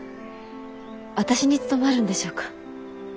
私に務まるんでしょうか？